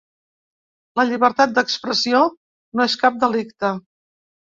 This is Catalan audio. La llibertat d'expressió no és cap delicte.